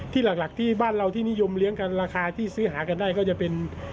หลักที่บ้านเราที่นิยมเลี้ยงกันราคาที่ซื้อหากันได้ก็จะเป็น